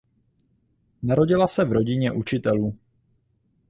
Narodila se v rodině učitelů.